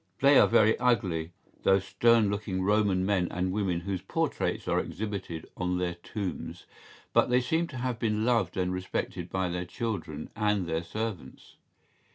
¬Ý They are very ugly, those stern looking Roman men and women whose portraits are exhibited on their tombs, but they seem to have been loved and respected by their children and their servants.